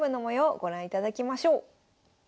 ご覧いただきましょう。